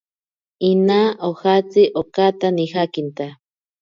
Inaa ojatsi okaata nijakinta.